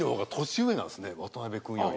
渡辺君より。